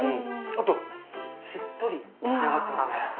あとしっとり仕上がってますね。